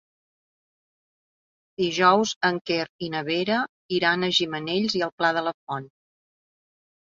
Dijous en Quer i na Vera iran a Gimenells i el Pla de la Font.